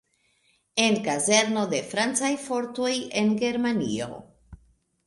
En kazerno de francaj fortoj, en Germanio.